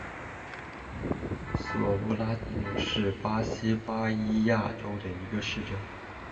索布拉迪纽是巴西巴伊亚州的一个市镇。